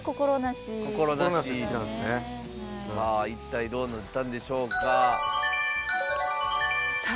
一体どうなったんでしょうか。